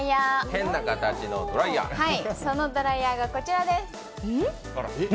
そのドライヤーがこちらです。